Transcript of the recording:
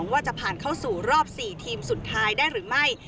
ว่าจะผ่านเข้าสู่รอบ๔ทีมสุดท้ายได้หรือไม่